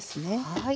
はい。